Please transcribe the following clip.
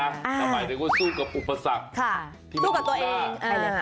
แต่หมายถึงว่าสู้กับอุปสรรคสู้กับตัวเองใช่เลยค่ะ